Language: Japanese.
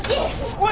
おい！